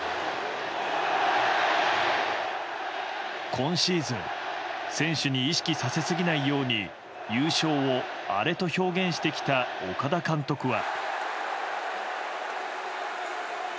今シーズン選手に意識させすぎないように優勝をアレと表現してきた岡田監督は。